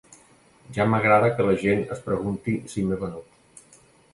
Ja m’agrada que la gent es pregunti si m’he venut.